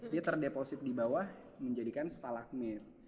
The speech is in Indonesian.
dia terdeposit di bawah menjadikan stalagmit